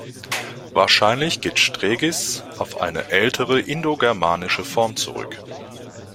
Wahrscheinlich geht "Striegis" auf eine ältere indogermanische Form zurück.